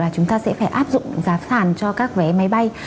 chúng ta sẽ phải áp dụng giá sản cho các vé máy bay